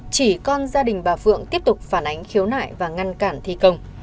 chỉ con gia đình bà phượng tiếp tục phản ánh khiếu nại và ngăn cản thi công